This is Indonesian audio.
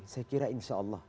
saya kira insya allah